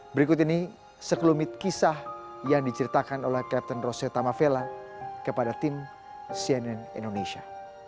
berikut ini sekelumit kisah yang diceritakan oleh captain roseta mavella kepada tim cnn indonesia